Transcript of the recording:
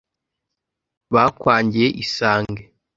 bakwangiye isange